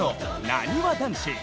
なにわ男子。